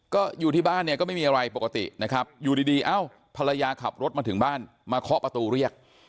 ก็อยู่ที่บ้านเนี่ยก็ไม่มีอะไรปกตินะครับอยู่ดีเอ้าภรรยาขับรถมาถึงบ้านมาเคาะประตูเรียก